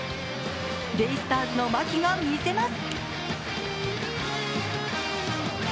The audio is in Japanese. ベイスターズの牧が見せます。